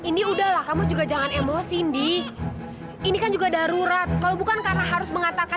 ndi udah lah kamu juga jangan emosi ndi ini kan juga darurat kalau bukan karena harus mengatasi kan